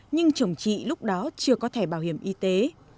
nhưng chồng chị lúc đó chưa có thẻ bảo hiểm y tế